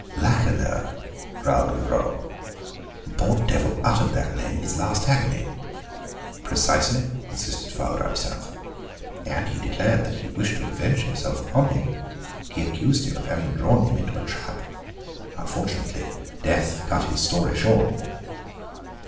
"Lacheneur!" growled Gevrol; "the poor devil uttered that name in his last agony." "Precisely," insisted Father Absinthe, "and he declared that he wished to revenge himself upon him. He accused him of having drawn him into a trap. Unfortunately, death cut his story short."